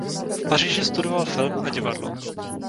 V Paříži studoval film a divadlo.